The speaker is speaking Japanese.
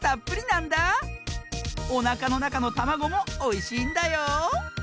おなかのなかのたまごもおいしいんだよ！